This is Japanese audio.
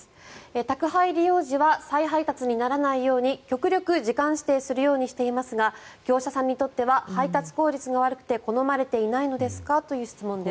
宅配利用時は再配達にならないように極力、時間指定するようにしていますが業者さんにとっては配達効率が悪くて好まれていないのですかという質問です。